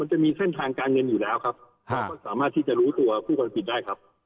จะมีเส้นทางการเงินอยู่แล้วครับเราก็สามารถที่จะรู้ตัวผู้คนผิดได้ครับ